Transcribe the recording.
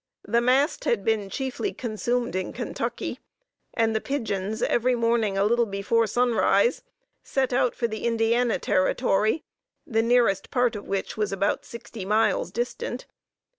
The mast had been chiefly consumed in Kentucky, and the pigeons, every morning a little before sunrise, set out for the Indiana territory, the nearest part of which was about sixty miles distant.